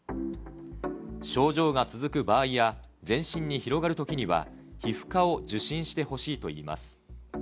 症状が続く場合や、全身に広がるときには、皮膚科を受診してほしいといいます。